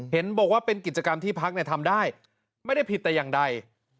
เห็นบอกว่าเป็นกิจกรรมที่พักทำได้ไม่ได้ผิดแต่อย่างใด